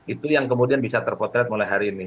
itu yang kemudian bisa terpotret mulai hari ini